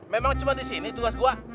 memang cuma di sini tugas gue